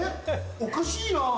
おかしいな。